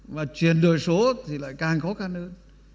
và chuyển đổi số thì lại càng khó khăn hơn